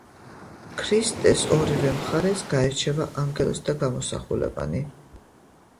ქრისტეს ორივე მხარეს გაირჩევა ანგელოზთა გამოსახულებანი.